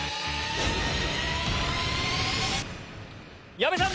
矢部さん